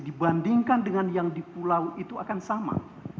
dibandingkan dengan yang di pulau itu akan sama